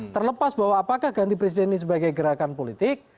terlepas bahwa apakah ganti presiden ini sebagai gerakan politik